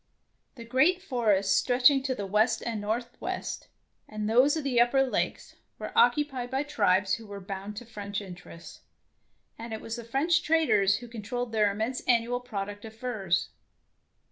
The great forests stretching to the west and northwest, and those of the upper lakes, were occupied by tribes who were bound to French interests, and it was the French traders who con trolled their immense annual product of furs.